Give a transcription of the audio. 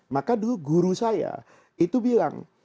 maka dulu guru saya itu bilang